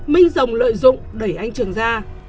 minh rồng lợi dụng đẩy anh trường ra